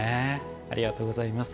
ありがとうございます。